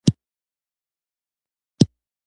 د ولسي ټنګ ټکور پر تڼیو او مزو یې ګوتې کېښودې.